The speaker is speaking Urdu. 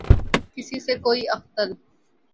کسی سے کوئی اختل